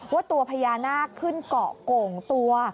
ว่าตัวพญานาคขึ้นเกาะโก่งตัว